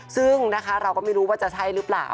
ซึ่งนะคะเราก็ไม่รู้ว่าจะใช่หรือเปล่า